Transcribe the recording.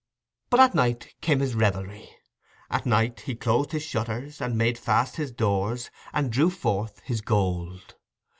But at night came his revelry: at night he closed his shutters, and made fast his doors, and drew forth his gold.